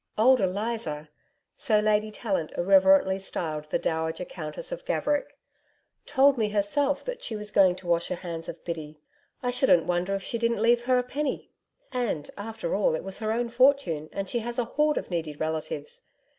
Old Eliza' so Lady Tallant irreverently styled the Dowager Countess of Gaverick 'told me herself that she was going to wash her hands of Biddy. I shouldn't wonder if she didn't leave her a penny. And, after all, it was her own fortune, and she has a horde of needy relatives.